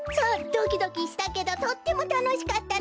ドキドキしたけどとってもたのしかったのべ。